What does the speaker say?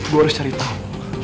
gue harus cari tahu